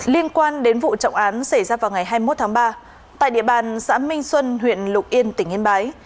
liên quan đến vụ trọng án xảy ra vào ngày hai mươi một tháng ba tại địa bàn xã minh xuân huyện lục yên tỉnh yên bái